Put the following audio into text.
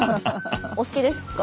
お好きですか？